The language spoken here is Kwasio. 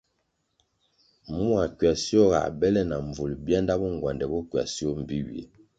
Mua ckywasio ga bèle na mbvul bianda bo ngwandè bo ckywasio mbpi ywie.